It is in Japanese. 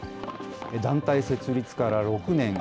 団体設立から６年。